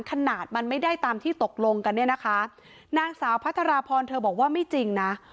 ขนาดมันไม่ได้ตามที่ตกลงกันเนี่ยนะคะนางสาวพัทรพรเธอบอกว่าไม่จริงนะ